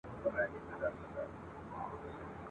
چي شرنګی یې وو په ټوله محله کي ..